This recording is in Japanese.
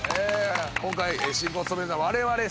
今回進行を務めるのは我々シソンヌと。